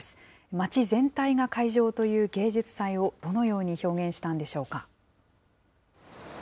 町全体が会場という芸術祭をどのように表現したんでしょうか。